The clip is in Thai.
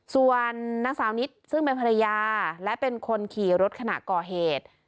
ส่วนนางสาวนิดซึ่งเป็นภรรยาและเป็นคนขี่รถขณะก่อเหตุ